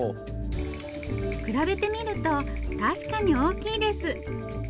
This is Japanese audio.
比べてみると確かに大きいです！